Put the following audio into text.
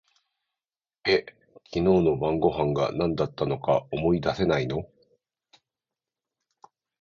え、昨日の晩御飯が何だったか思い出せないの？